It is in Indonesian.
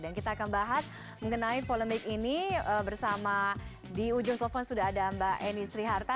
dan kita akan bahas mengenai polemik ini bersama di ujung telepon sudah ada mbak eni sriharta